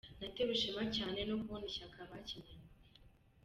Natewe ishema cyane no kubona ishyaka bakinanye.